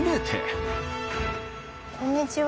こんにちは。